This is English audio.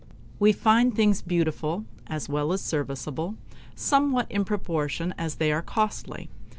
We find things beautiful, as well as serviceable, somewhat in proportion as they are costly.